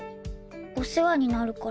お世話になるから。